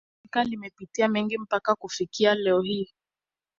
Bara la Afrika limepitia mengi mpaka kufikia leo hii